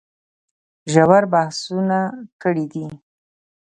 ژور بحثونه کړي دي